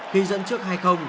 khi dẫn trước hai